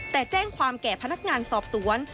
แต่แจ้งความแก่พนักงานสอบสวน